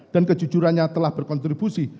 dan kejujurannya telah berkontribusi